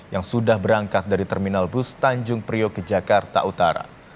yang sudah berangkat dari terminal bus tanjung priok ke jakarta utara